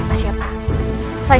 agar jiz ser sulli